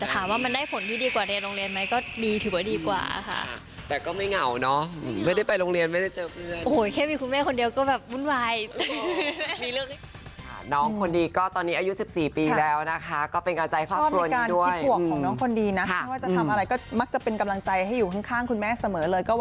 ถามว่ามันได้ผลที่ดีกว่าในโรงเรียนไหม